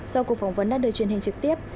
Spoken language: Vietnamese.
do cuộc phỏng vấn đã đưa truyền hình trực tiếp